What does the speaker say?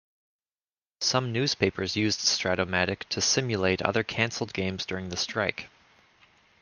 Some newspapers used Strat-O-Matic to simulate other canceled games during the strike.